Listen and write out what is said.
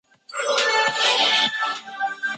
埃姆人口变化图示